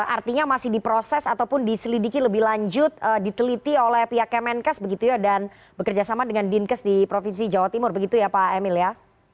artinya masih diproses ataupun diselidiki lebih lanjut diteliti oleh pihak kemenkes begitu ya dan bekerjasama dengan dinkes di provinsi jawa timur begitu ya pak emil ya